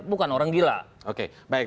bukan orang gila oke baik